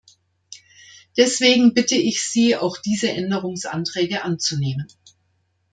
Deswegen bitte ich Sie, auch diese Änderungsanträge anzunehmen.